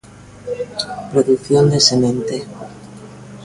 Produción de semente.